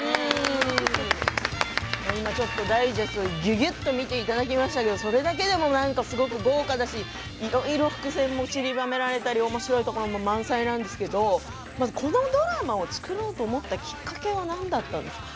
今、ダイジェストでぎゅぎゅっと見ていただきましたけどそれだけでも、なんかすごく豪華だし、いろいろ伏線もちりばめられたりおもしろいところも満載なんですけど、このドラマを作ろうと思ったきっかけはなんだったんですか？